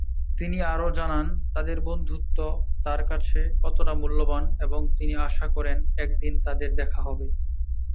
তিনি আরও জানান তাদের বন্ধুত্ব তার কাছে কতটা মূল্যবান এবং তিনি আশা করেন একদিন তাদের দেখা হবে।